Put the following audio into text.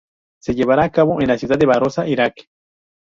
Se llevará a cabo en la ciudad de Basora, Irak.